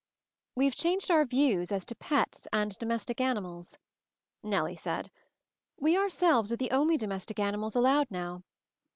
"We've changed our views as to 'pets' and 'domestic animals,' " Nellie said. "We our selves are the only domestic animals allowed now.